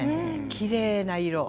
きれいな色。